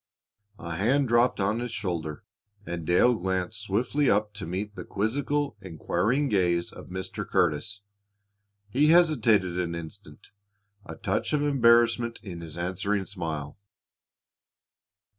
A hand dropped on his shoulder, and Dale glanced swiftly up to meet the quizzical, inquiring gaze of Mr. Curtis. He hesitated an instant, a touch of embarrassment in his answering smile.